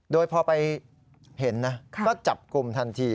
โดยพอไปเห็นนะก็จับกลุ่มทันที